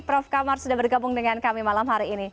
prof kamar sudah bergabung dengan kami malam hari ini